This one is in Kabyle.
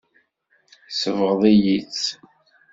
Tsebɣeḍ-iyi-tt.